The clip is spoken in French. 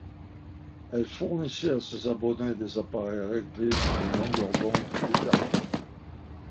Elle fournissait à ses abonnés, des appareils réglés pour une longueur d'onde déterminée.